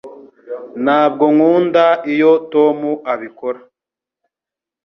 Ntabwo nkunda iyo Tom abikora